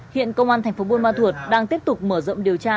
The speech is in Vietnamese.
hiện công an tp bôn ma thuột đang tiếp tục mở rộng điều tra